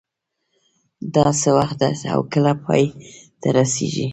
دا څه وخت ده او کله پای ته رسیږي